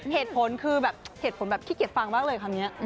เหตุผลแบบขิเกียจฟังมากเลยคำนี้